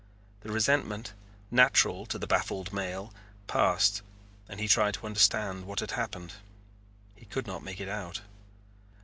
The resentment, natural to the baffled male, passed and he tried to understand what had happened. He could not make it out.